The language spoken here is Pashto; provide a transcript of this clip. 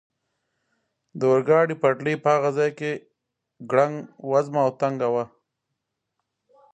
د اورګاډي پټلۍ په هغه ځای کې ګړنګ وزمه او تنګه وه.